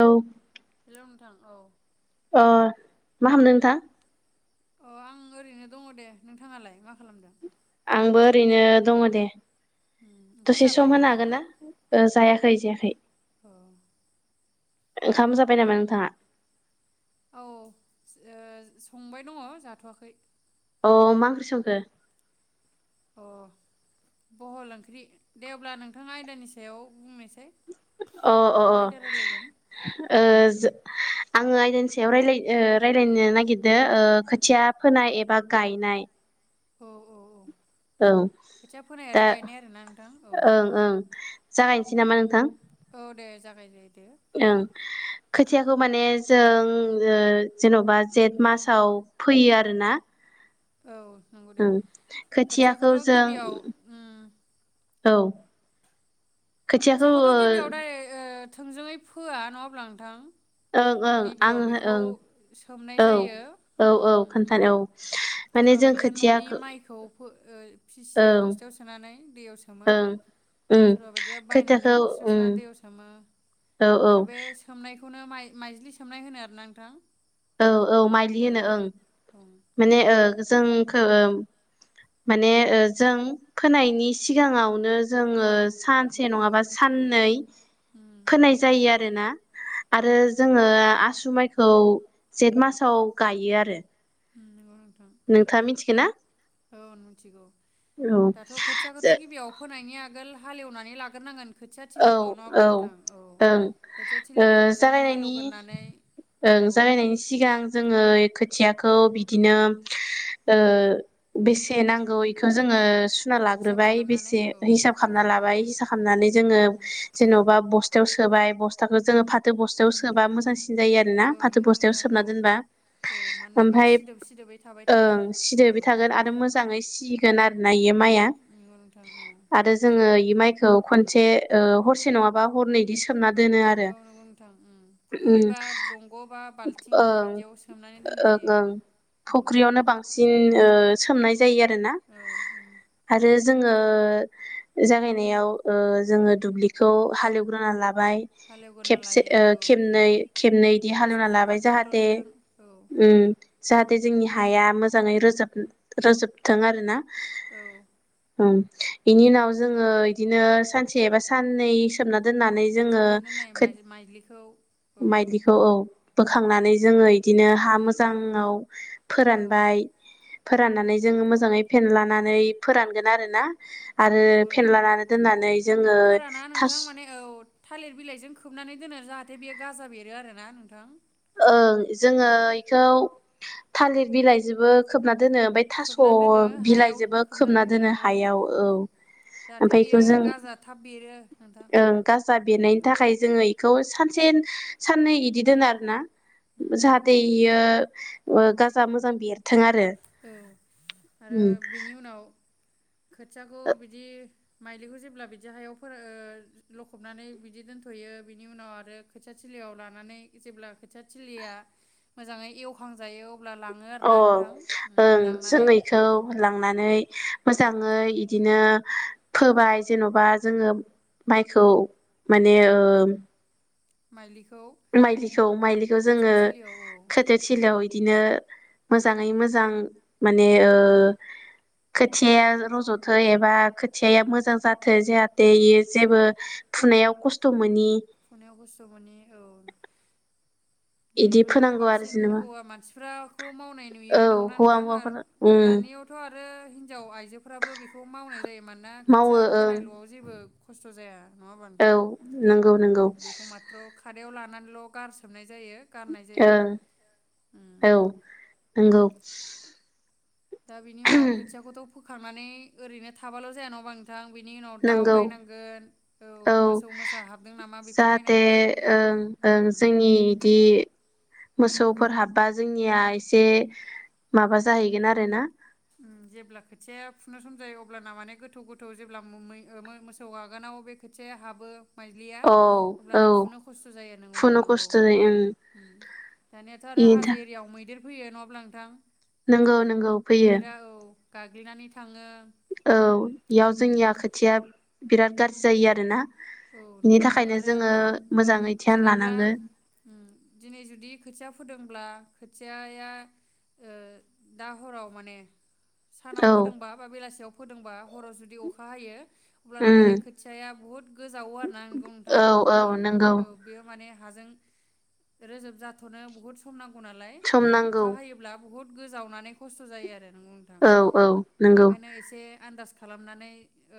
औ हेल नोंथां औ अह मा खामदों नोंथां अह आं ओरैनो दङ दे नोंथाङालाय मा खालामदों आंबो ओरैनो दङ दे उम ओंखाम दसे जाबाय सम होनो नोंथाङा हागोन ना ओ जायाखै [unintelligible] जायाखै औ ओंखाम जाबाय नामा नोंथाङा औ ओ संबाय दङ जाथवाखै अह मा ओंख्रि संखो अह बहल ओंख्रि दे अब्ला नोंथाङा आयदानि सायाव बुंनायसा अह अह अह ओ जो आङो आयदानि सायाव रायलाय ओ रायज्लायनो नागिरदों ओ खोथिया फोनाय एबा गायनाय। औ औ औ। औ खोथिया फोनाय दा आरो गायनाय आरोना नोंथां औ ओं ओं। जागायनोसै नामा नोंथां? औ दे जागाय जायो दे। ओं खोथियाखौ माने जों ओ जेन'बा जेठ मासाव फोयो आरोना। औ। नंगौ दे ओं खोथियाखौ खोथियाखौथ' जों गिबियाव उम औ। खोथियाखौ खोथियाखौथ' ओ गिबियाव दाय ओ थोंजोङै फोआ नङा अब्ला नोंथां। ओं ओं गिबियाव आङोहाय बेखौ ओं सोमनाय औ जायो औ औ उम खोन्थानो औ। माने सोरबा जों बायदिया न'नि खोथियाखौ माइखौ ओ फिसियो ओं बस्थायाव सोनानै दैयाव सोमो। ओं उम सोरबा बायदिया बायनानै खोथियाखौ बस्थायाव उम सोनानै दैयाव सोमो। औ औ आरो बे सोमनाय बेखौनो माइज्लि सोमनाय होनो आरो ना नोंथां। औ औ माइलि औ होनो ओं औ माने ओ। जोंखौ माने जों फोनायनि सिगाङावनो औ जोङो सानसे गिबियाव नङाबा साननै उम फोनाय जायो आरोना। आरो जोङो आसु माइखौ जेट मासाव गायो आरो। उम नंगौ नोंथाङा मिथिगो ना औ औ मिथिगौ। औ दाथ' जो खोथियाखौथ' गिबियाव फोनायनि आगोल आगोल हालेवनानै लागोरनांगोन। औ औ ओं खोथिया थिलिखौ मोजाङै जागायनायनि हालेवग्रोनानै औ ओं सिगां जोङो खो थियाखौ बिदिनो ओ बेसे नांगौ बेखौ जोङो सुना हिसाब लाग्रोबाय खालामनानै बेसे औ हिसाब खालामना जखा लाबाय लानानै हिसाब खालामनानै जोङो उम जेन'बा बस्थायाव सोबाय बस्थखौ जो फा थो बस्थायाव सोबा नोंथां मोजांसिन जायो आरोना औ फाथो नंगौ बस्थायाव नोंथां औ सोमना दोनबा। औ मानोना बेयो ओमफ्राय सिदोब सिदोबै थाबाय थायो औ सिदोबै थागोन आरो मोजाङै सिगोन आरो [unintelligible] माइया नंगौ नोंथां औ आरो जोङो इ माइखौ औ [unintelligible] ओ हरसे नङाबा हरनै इदि सोमना दोनो आरो। औ नंगौ नोंथां उम फुख्रि उम बा दंग' बा बाल्थिं ओं बिदियाव सोमनानै दोननाय ओं जायो ओं नंगौ नोंथां फुख्रियावनो बांसिन ओ सोमनाय जायो आरोना औ उम आरो जोङो जागायनायाव ओ जोङो दुब्लिखौ हालेवग्रोना लाब बाय हालेवग्रोना खेबसे लायो ओ औ खेबनै-खेबनै इदि हालेवना मोसौजों बा लाबाय जाहाथे ट्रेक्टरजों औ ओम उम जाहाथे जोंनि हाया मोज मोजाङै रोजोब-रोजोबथों आरो ना। औ ओ बेनि उनाव जोङो दिनो सानसे एबा साननै सोमना दोननानै जोङो सोमना दोननाय खोद माइ-माइज्लिखौ औ माइलिखौ औ उम बोखांनानै जोङो इदिनो हा बोखांनानै मोजाङाव औ फोरानबाय फोराननानै जों मोजाङै फेेनलानानै फोरानगोन आरो ना आरो नंगौ नोंथां फेनलानान दोननानै जोङो फोराना थास नोंथां माने औ थालिर बिलाइजों खोबनानै दोनो जाहाथे बेयो गाजा बेरो आरोना नोंथां ‌। ओं जोङो इखौ थालिर बिलाइजोबो खोबना दोनो ओमफ्राय थास' खोबनानै दोनो हायाव बिलाइजोबो खोबनानै खोबना दोनो नोंगौ नोंथां हायाव औ उम ओमफाय जाहाथे बियो बेखौ जों गाजा थाब बेरो नोंथां ओ गाजा उम उम बेरनायनि थाखाय जोङो खौ सानसे साननै बिदि दोनो आरोना नंगौ जाहाथे नोंथां इयो ओ गाजा मोजां बेरथों आरो ‌। ओ आरो बेनि उनाव खोथियाखौ बिदि माइलिखौ जेब्ला बिदि हायाव फोर ओ लखबनानै बिदि दोनथ'यो बिनि उनाव आरो खोथिया थिलियाव लानानै जेब्ला खोथिया थिलिया मोजाङै एवखांजायो अ ब्ला लाङो अ आरोना नोंथां। ओं जों लांनानै बेखौ लांनानै मोजाङै इदिनो फोबाय जेन'बा जोङो माइखौ माने ओ माइलि माइलिखौ माइलिखौ जोङो थिलियाव औ खोथो थिलियाव बिदिनो मोजाङै मोजां माने ओ खोथियाया रज'थो एबा खोथियाया मोजां जाथो जाहाते इयो जेबो फुनायाव खस्थ' मोनि फुनायाव खस्थ' मोनि औ इदि बेखौथ' फोनांगौ आरो बांसिन जेनेबा हौवा मानसिफोराखौ मावनाय नुयो औ नंगौना हौवा नोंथां आर हौवाफोर उम दानियावथ' आर हिन्जाव आइजोफ्राबो बेखौ मावनाय जायो मानोना मावो खोथिया ओं फोनायल'आव जेबो खस्थ' जाया। नङा होमबा औ नोंथां नंगौ ‌। औ बेखौ माथ्र' खारायाव ला नानै ल' गार सोमनाय जायो गारनाय जायो ओं ओम औ नंगौ ओम दा बिनि उनाव खोथियाखौथ' फोखांनानै ओरैनो थाबाल' जाया नङा होनबा नोंथां। बेनि उनाव दाउ नंगौ नायनांगोन औ मोसौ मोसा हाबदों नामा बेखौ जाहाथे नायनांगोन। ओं ओं जोंनि इदि मोसौफोर हाबबा जोंनिया एसे माबा जाहैगोन आरोना जेब्ला खोथिया फुनो सम जायो अब्लाना माने गोथौ गोथौ जेब्लाै मोसौ आगोना बे खोथियाया हाबो माइज्लिया औ अब्ला औ ना फुनो खस्थ' जायो खुनु नोंथां औ खस्थ'यै ओं दानियाथ' आरो इनि था हाजो एरियाव मैदेर फैयो नङाब्ला नोंथां नंगौ नंगौ फैयो मैदेरा औ गाग्लिनानै थाङो। औ बेयाव जोंनि उम आ खोथिया बिराद गाज्रि जायो आरोना। औ नंगौ बिनि नोंथां थाखायनो आरो जोङो औ मोजाङै धियान जेनेब्ला लानांगो दिनै जुदि खोथिया फोदों अब्ला खोथियाया दा हराव माने सानाव औ फोदोंबा बा बेलासियाव फोदोंबा हराव जुदि अखा हायो। अलाना माने उम खोथियाया बुहुत गोजाव आरोना नोंथां। औ औ नंगौ हाजों रोजोब थाथ'नो बहुद सम नांगौ नालाय सम माने नांगौ अखा हायोब्ला बुहुद गोजावनानै खस्थ' जायो आरो नंगौ नोंथां औ औ नंगौ। बेनिखायनो एसे आन्दाज खालामनानै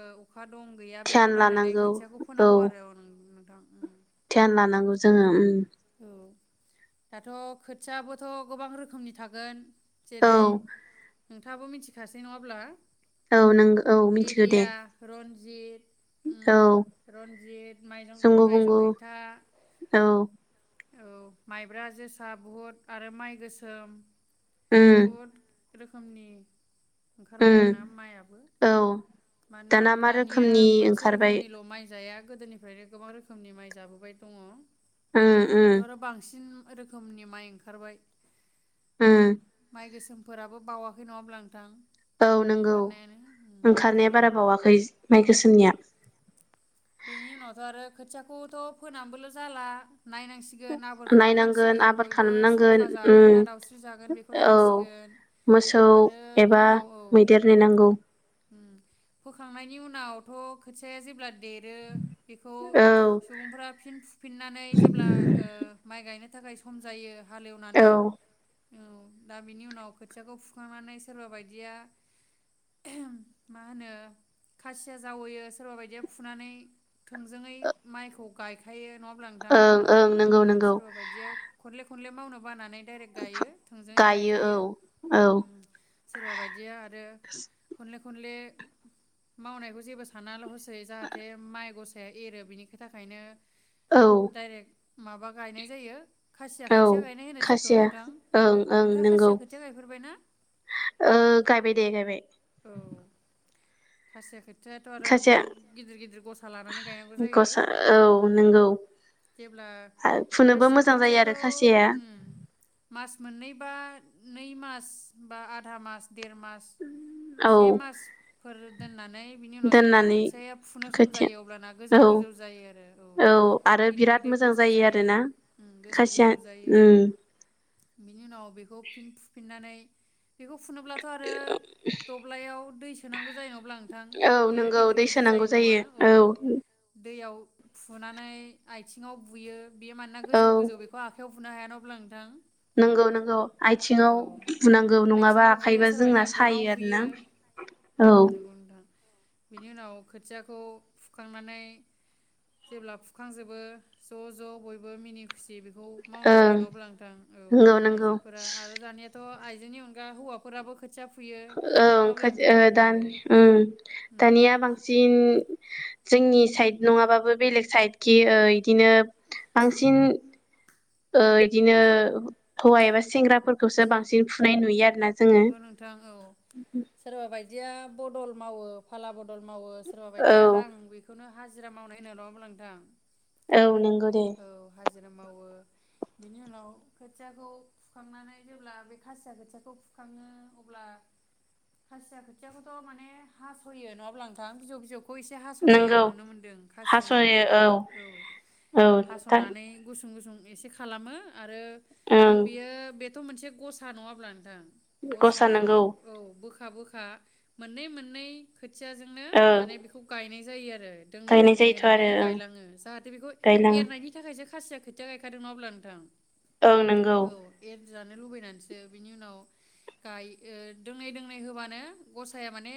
ओ अखा दं गैया बेखौ धियान नायनानै लानांगौ खो फोनांगौ आरो [inaudible] जियानो लानांगौ जोङो ओम। औ दाथ' खोथियाबोथ' गोबां रोखोमनि थागोन औ जेरै नोंथाङाबो मिथिखासै नङाअब्ला औ नोंगौ औ मिथिखो दे। जि [inaudible] रनजित माइ जंगु आइजं बंगु हायथा औ औ माइब्रा जोसा बुहुद आरो माइ गोसोम उम बुहद रोखोमनि उम ओंखारबाय आरोना माइयाबो औ मानोना दाना मा दानिया रोखोमनि मोनसे ओंखारबाय रोखोमनिल' माइ जाया गोदोनिफ्रायनो गोबां रोखोमनि माइ जाबोबाय दङ। उम उम दाथ' आरो बांसिन रोखोमनि माइ ओंखारबाय। उम माइ गोसोमफोराबो बावाखै नङाबब्ला नोंथां। औ नोंगौ ओंखारनायानो उम ओंखारनाया बारा बावाखै माइ औ गोसोमनिया बेनि उनावथ' आरो खोथियाखौथ' फोनानैबोल' जाला नायनांसिगोन आबोर नायनांगोन खालामनांसिगोन आबाद बयबो खालामनांगोन सखा जागोन उम ना दाउस्रि जागोन बेखौ औ नायनांसिगोन मोसौ आरो बिनि एबा उनाव औ मैदेर नेनांगौ उम फोखांनायनि उनावथ' खोथिया जेब्ला देरो बेखौ औ सुबुंफोरा फिन फुफिननानै जेब्ला ओ माइ गायनो नि थाखाय सम जायो हालेवनानै औ औ दा बिनि उनाव खोथियाखौ फुखांनानै सोरबा बायदिया मा [unintelligible] होनो खासिया जावैयो सोरबा बायदिया फुनानै थोंजोङै माइखौ गायखायो नङा ओमबा नोंथां ओं ओं नंगौ नंगौ सोरबा बायदिया खनले ख खनले मावनो बानानै दायरेग गायो थोंजोङै गायो औ गायखायो औ सोरबा बायदि या आरो खनले ख खनले मावनायखौ जेबो सानाल' ह जाहाथे माइ गस एरो बिनि थाखायनो औ दायरेक माबा गायनाय जायो खासिया औ खोथिया गायनाय होनो जेखौ खासिया नोंथां औ ओं ओं नोंथाङा नंगौ खासिया खोथिया गायहरबाय ना ओ गायबाय दे गायबाय औ खासि खै सेट आरो खासिया बहुत गिदिर गिदिर गसा लानानै गायनांगौ जायो गसा औ उम नंगौ जेब्ला फुनोबो खासिया मोजां जायो आरो खोथियाखौ खासिया उम मास मोननैबा नै मास बा आधा मास देर मास औ से मासफोर दोननानै बिनि उनाव जेब्ला खो दोननानै खोथिया फुनो सम खोथिया जायो अब्लाना गोजौ औ गोजौ जायो आरो औ आरो गिदिर बिराद गिदिर मोजां गसा जायो आरोना गोजौ खासिया गोजौ जायो उम बिनि उनाव बेखौ फिन फुफिननानै बेखौ फुनोब्लाथ' आरो दब्लायाव, दै सोनांगौ जायो अब अब्ला नोंथां बेयो गिदिर गिदिर, होनांगौ जायो औ दैयाव फुनानै आथिङाव बुयो, बेयो मानोना औ गोजौ गोजौ बेखौ आखाइयाव हुनो हायान अब्ला नोंथां, नंगौ नंगौ आथिङाव औ बुंनांगौ नङाबा आथिङाव बुयो आखाइबा जोंना सोरबादिया गनाव सायो आरोना बुयो उम औ, नंगौ नोंथां बिनि उनाव खोथियाखौ फुखांनानै जेब्ला फुखांजोबो ज' ज' बयबो मिनि खुसि बे बेखौ मावनाय जायो ओं [unintelligible] लादां अब्ला नोंथां औ नंगौ नंगौ आइजोफोरा आरो दानियाथ' आइजोनि अनगा हौफोराबो खोथिया फुयो औ नङा [unintelligible] होमब्ला नोंथां दा औ उम दानिया बांसिन बांसिन जोंनि साइड नङाबाबो बेलेग साइड कि बिदिनो बांसिन, ओ बिदिनो हौवा एबा सेंग्राफोरखौसो बांसिन फुनाय नुयो आरो नंगौ नोंथां औ सोरबा बायदिया बदल मावो फाला बद बदल मावो सोरबा औ बायदिया रां बेखौनो, हाजिरा मावनाय होनावल' बुंलां नोंथां, औ नों नंगौ दे औ हाजिरा मावो बिनि उनाव खोथियाखौ फुखांनानै जेब्ला बे खासिया खोथियाखौ फुखाङो अब्ला खासिया खोथियाखौथ' माने हास'यो नङाब्ला नोंथां बिजौ बिजौ, खौ एसे हास'नाय आं नंगौ नुनो मोनदों खासिजों औ, औ दा हास'नानै गुसुं गुसुं एसे खालामो, आरो ओं बियो बे बेथ' मोनसे गससा नङाब्ला नोंथां, गसा गसाखौ नंगौ औ बोख बोखा बोखा मोननै मोननै खोथियााजोंनो ओ माने बेखौ गायनाय जायो आरो दोंनै गायनाय दोंनै जायोथ' आरो होनानैनो ओं गायलाङो जाहाथे बेखौ गायलाङो बिनि थाखायसो खासिया खोथिया गायखादों ना अब्ला नोंथां, ओं नंगौ औ एर जानो लुबैनानैसो बिनि उनाव गाय ओ दोंनै दोंनै होबानो गसाया माने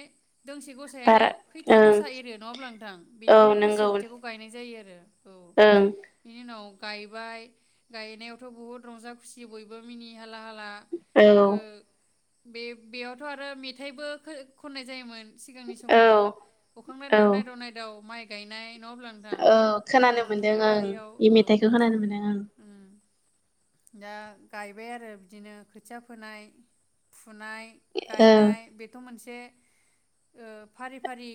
दोंसे गसायानो बारा खैथा ओं गसा एरो नङाब्ला आथां औ बेनिखायनो खासिया नंगौ खोथियाखौ गायनाय जायो आरो ए ओं बिनि नाव गायबाय गायनायावथ' बहुद रंजा खुसि बयबो मिनिया हाला हाला औ ओ बे बेयावथ' आरो मेथाइबो खननाय जायोमोन सिगांनि समाव औ अखां नायाव औ नायदाव नायदाव माइ गायनाय नङाब्ला नोंथां औ औ खोनानो मोन दों दुब्लि आं बारियाव बे औ मेथाइखौ खोनानो मोनदों आं उम दा गायबाय आरो बिदिनो खोथिया फोनाय फुनाय ओं गायनाय बेथ' मोनसे जे ओ फारि फारि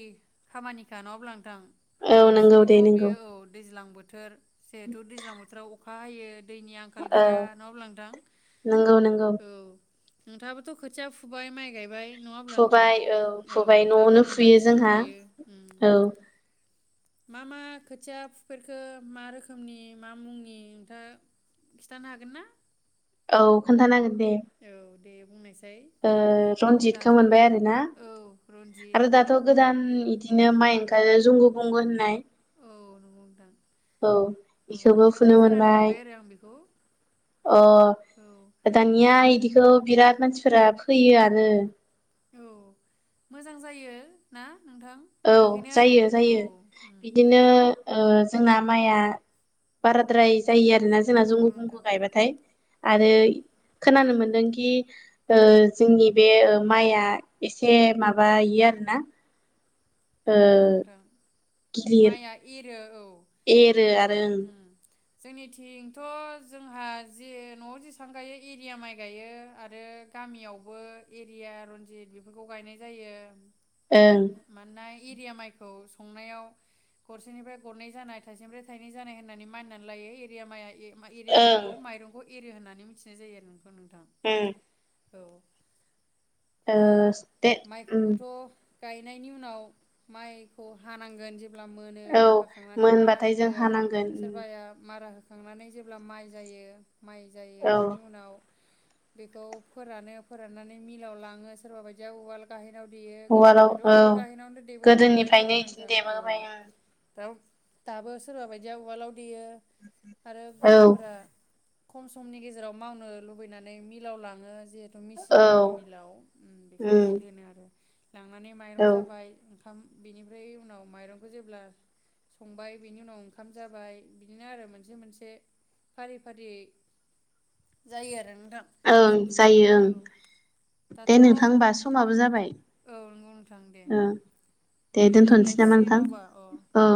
खामानिखा नङाब्लादां औ औ नंगौ बांसिनैथ' दे नंगौ बेयो औ दैज्लां बो थोर जिहेथु दैज्ल बोथोराव अखा हायो दैनि खाल औ गैया न' लांदां नंगौ नंगौ औ नोंथाङाबोथ' खोथिया फुबाय माइ गायबाय नङाब्ला नोंथां फुबाय औ फुबाय नोंथाङाबो न'आवनो फुयो मोन्दांथि जोंहा दंखायो औ मा मा खोथिया फुफेरखो मा रोखोमनि मा मुंनि नोंथाङा खिथानो हागोन ना औ खोन्थानांगोन दे औ दे बुंनायसाय ओ रन्जितखौ दाथ' मोनबाय आरोना औ रन्जित आरो दाथ' गोदान बिदिनो माइ ओंखारो जुंगु बंगु होननाय औ नंगौ नोंथां औ औ बेखौबो खुनो नोंथांनिफ्राय खोनानो मोनबाय आरो आं बेखौ अ औ दानिया इदि स' बिराद मानसि फोरा फैयोआनो औ मोजां जायो ना नोंथां औ बेनिखायनो आरो जायो औ जायो उम बिदिनो ओ जोंना माइआ बाराद्राय जायो आरो जोंना नंगौ जुंगु बुंगु नोंथां गायबाथाय औ आरो खोनानो मोनदोंखि ओ जोंनि बे माइआ एसे माबायो आरोना ओ नंगौ गिलिर रो औ एरो आरो ओं उम जोंनिथिंथ' जोंहा जे न'आव जेसेबां गायो एरिया माइ गायो आरो गामियावबो एरिया रनजित बेफोरखौ गायनाय जायो ओं मानोना एरिया माइखौ संनायाव गरसेनिफ्राय गरनै जानाय थाइसेनिफ्राय थाइनै जानाय होननानै मानिनानै लायो एरिया माइआ ए एरिया ओं माइखौ माइरंखौ एरिया होननानै मिथिनाय जायो नोंगौना नोंथां उम औ ओ दा दे उम माइखौबोथ' गायनायनि उनाव माइखौ हानांगोन जे ब्ला मोनो औ हाखांनानै मारा मोनबाथाय जों होगोन हानांगोन उम सोरबाया मारा हो खांनानै जेब्ला माइ जायो माइ जायो औ बिनि उनाव बेखौ फोरानो फोराननानै मिलाव लाङो सोरबा बायदिया उवाल गाहेन आव देयो उवालाव गोदोनिफ्रायथ' औ उवाल गाहैावनो गोदोनिफ्रायनो बिदिनो देबोबाय उम औ दाबो सोरआबायदि उवालाव देयो आरो ओं औ गुबुनफोरा खम समनि गेजेराव मावनो लुबैनानै मिलाव लाङो जिहेथु मेसिन औ दङ मिलाव उम बेखौ उम मिल होनो आरो लांनानै माइरं औ जाबाय ओंखाम बिनिफ्राय उनाव माइरंखौ जेब्ला संबाय बेनि उनाव ओंखाम जाबाय बिदिनो आरो मोनसे मोनसे फारि फारियै जायो आरो नों ओं जायो ओं दे दाथ' औ नोंथां होमबा समाबो जाबाय नंगौ नोंथां दे उम दे लोगो दोनथ'नोसै नामा मोनलायफिसिगोन नोंथां अब्ला अ औ